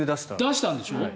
出したんでしょ？